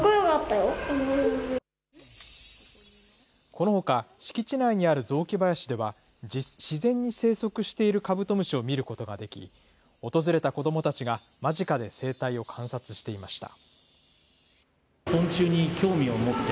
このほか、敷地内にある雑木林では、自然に生息しているカブトムシを見ることができ、訪れた子どもたちが間近で生態を観測していました。